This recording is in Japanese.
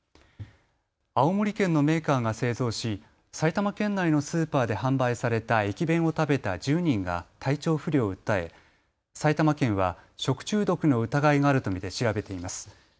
青森県のメーカーが製造し埼玉県内のスーパーで販売された駅弁を食べた１０人が体調不良を訴え埼玉県は食中毒の疑いがあると見て調べています。